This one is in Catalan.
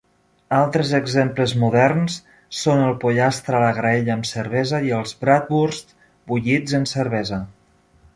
Altres exemples moderns són el pollastre a la graella amb cervesa i els bratwursts bullits en cervesa.